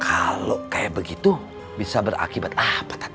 kalau kayak begitu bisa berakibat apa